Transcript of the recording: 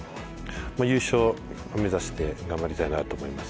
優勝目指して頑張りたいなと思います。